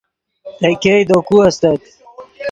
تے ګئے دے کو استت